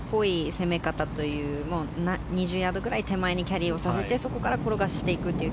攻め方という２０ヤードくらい手前にキャリーさせてそこから転がしていくという